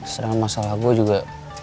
sedangkan masalah gue juga